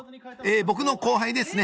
僕の後輩ですね